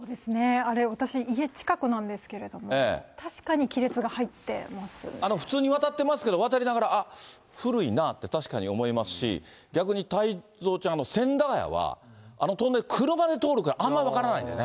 あれ、私、家近くなんですけれども、確かに亀裂普通に渡ってますけど、渡りながら、あっ、古いなって確かに思いますし、逆に太蔵ちゃん、千駄ヶ谷は、あの通り、車で通るからあんま分からないんだよね。